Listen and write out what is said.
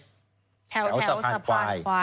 แถวสะพานขวา